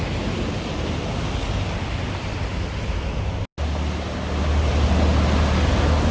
เมื่อเวลาอันดับสุดท้ายจะมีเวลาอันดับสุดท้ายมากกว่า